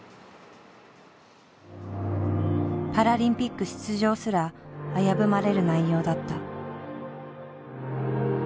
パラリンピック出場すら危ぶまれる内容だった。